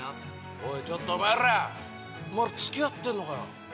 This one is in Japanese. おいちょっとお前ら！お前ら付き合ってんのかよ？